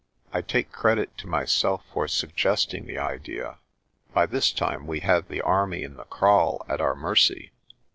I take credit to myself for suggesting the idea. By this time we had the army in the kraal at our mercy.